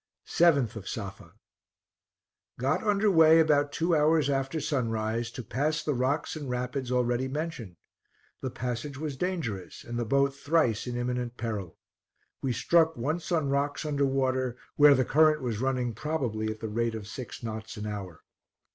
7th of Safa. Got under way about two hours after sunrise, to pass the rocks and rapids already mentioned. The passage was dangerous, and the boat thrice in imminent peril. We struck once on rocks under water, where the current was running probably at the rate of six knots an hour.